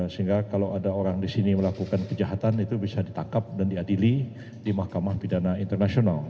sehingga kalau ada orang di sini melakukan kejahatan itu bisa ditangkap dan diadili di mahkamah pidana internasional